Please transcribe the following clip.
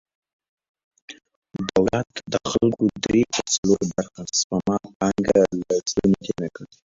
دولت د خلکو درې پر څلور برخه سپما پانګه له ستونې تېره کړه.